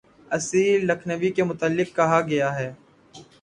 اسیر لکھنوی کے متعلق کہا گیا ہے